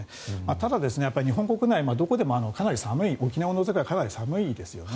ただ、日本国内どこでもかなり寒い、沖縄を除けばかなり寒いですよね。